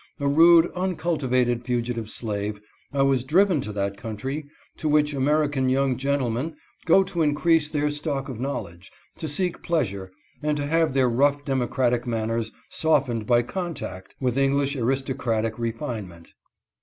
A rude, uncultivated fugitive slave, I was driven to that country to which American young gentlemen go to increase their stock of knowledge, to seek pleasure, and (289) 290 THE HUTCHINSON FAMILY. to have their rough democratic manners softened by con? tact with English aristocratic refinement.